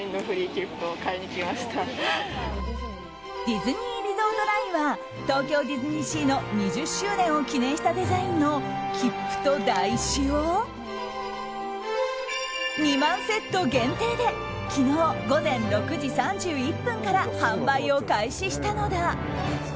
ディズニーリゾートラインは東京ディズニーシーの２０周年を記念したデザインのきっぷと台紙を２万セット限定で昨日午前６時３１分から販売を開始したのだ。